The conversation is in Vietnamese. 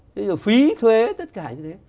thế rồi phí thuế tất cả như thế